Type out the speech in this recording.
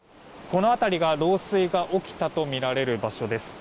この辺りが漏水が起きたとみられる場所です。